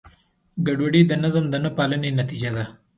ګډوډي د نظم د نهپالنې نتیجه ده.